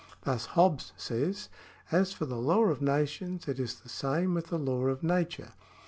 Thus Hobbes says :^" As for the law of nations, it is the same with the law of nature.